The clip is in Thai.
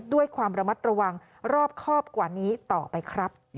ด้วยความระมัดระวังรอบครอบกว่านี้ต่อไปครับ